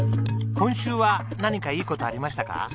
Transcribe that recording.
今週は何かいい事ありましたか？